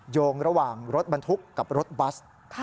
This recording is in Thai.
โยงระหว่างรถบรรทุกกับรถบัส